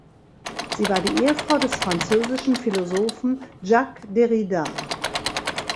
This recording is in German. Sie war die Ehefrau des französischen Philosophen Jacques Derrida.